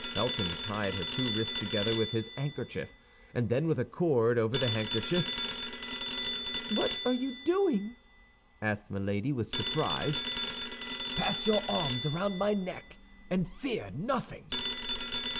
Felton tied her two wrists together with his handkerchief, and then with a cord over the handkerchief. "What are you doing?" asked Milady, with surprise. "Pass your arms around my neck, and fear nothing."